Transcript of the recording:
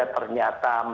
ya ternyata menerima